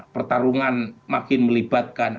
pertarungan makin melibatkan